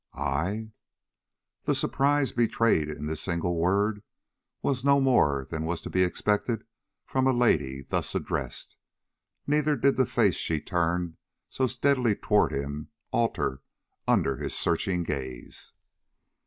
"I?" The surprise betrayed in this single word was no more than was to be expected from a lady thus addressed, neither did the face she turned so steadily toward him alter under his searching gaze.